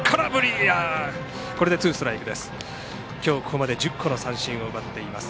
今日、ここまで１０個の三振を奪っています。